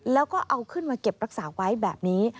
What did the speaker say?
แล้วก็เอาขึ้นมาเก็บรักษาไว้แบบนี้